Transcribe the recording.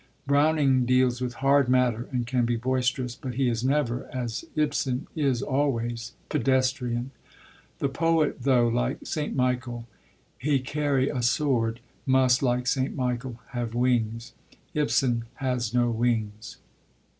Browning deals with hard matter, and can be boisterous; but he is never, as Ibsen is always, pedestrian. The poet, though, like St. Michael, he carry a sword, must, like St. Michael, have wings. Ibsen has no wings.